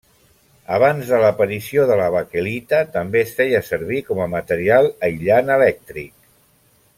Abans de l'aparició de la baquelita també es feia servir com a material aïllant elèctric.